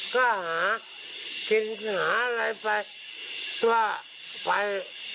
ก็หาหาอะไรไป